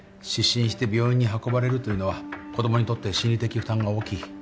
失神して病院に運ばれるというのは子供にとって心理的負担が大きい。